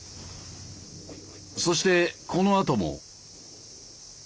そしてこのあとも。